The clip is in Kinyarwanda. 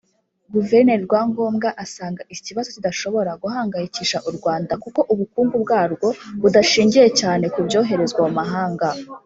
Guverineri Rwangombwa asanga iki kibazo kidashobora guhangayikisha u Rwanda kuko ubukungu bwarwo budashingiye cyane ku byoherezwa mu mahanga